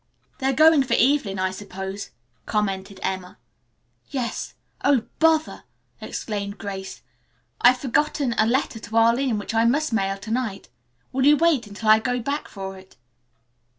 "They are going for Evelyn, I suppose," commented Emma. "Yes. Oh, bother!" exclaimed Grace, "I've forgotten a letter to Arline which I must mail to night. Will you wait until I go back for it?"